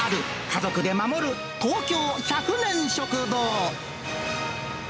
家族で守る東京１００年食堂。